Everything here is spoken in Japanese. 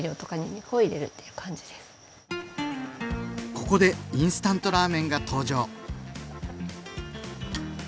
ここでインスタントラーメンが登場。